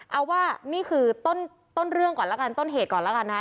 เอาว่านี่คือต้นเรื่องก่อนแล้วกันต้นเหตุก่อนแล้วกันนะคะ